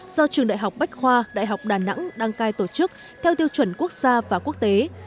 do trường đại học bách khoa đại học đà nẵng đăng cai tổ chức theo tiêu chuẩn quốc gia và quốc tế